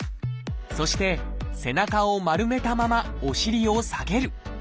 そして背中を丸めたままお尻を下げる。